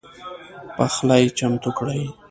پخلی چمتو کړئ